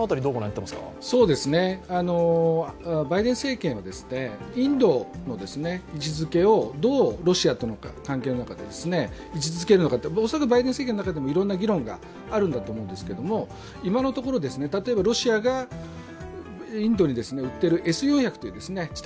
バイデン政権はインドをどうロシアとの関係の中で位置づけるのか、恐らくバイデン政権の中でもいろいろな議論があると思うんですが今のところ、例えばロシアがインドに売っているＳ−４００という地